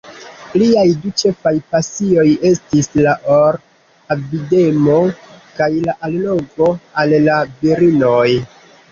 Liaj du ĉefaj pasioj estis la or-avidemo kaj la allogo al la virinoj.